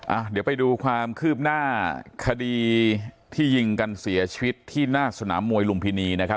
อ่ะเดี๋ยวไปดูความคืบหน้าคดีที่ยิงกันเสียชีวิตที่หน้าสนามมวยลุมพินีนะครับ